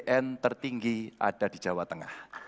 asn tertinggi ada di jawa tengah